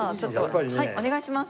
はいお願いします。